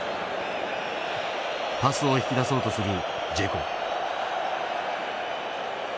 パスを引き出そうとするジェコ。